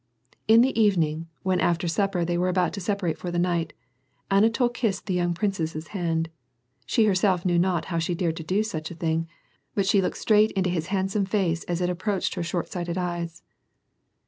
In the evening, when after supper they were about to sepa rate for the night, Anatol kissed the young princess's hand, she herself knew not how she dared to do such a thing, but she looked straight into his handsome face as it approached her shortsighted eyes.